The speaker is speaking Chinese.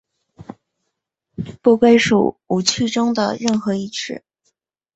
不归属五趣中的任何一趣。